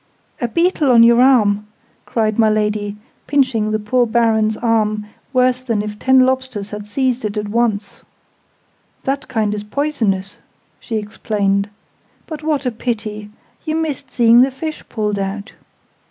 "A beetle on your arm!" cried my Lady, pinching the poor Baron's arm worse than if ten lobsters had seized it at once. "That kind is poisonous," she explained. "But what a pity! You missed seeing the fish pulled out!"